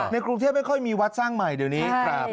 กรุงเทพไม่ค่อยมีวัดสร้างใหม่เดี๋ยวนี้